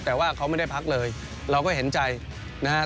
แต่ว่าเขาไม่ได้พักเลยเราก็เห็นใจนะฮะ